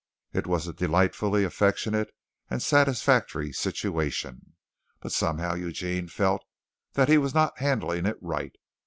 It was a delightfully affectionate and satisfactory situation, but somehow Eugene felt that he was not handling it right.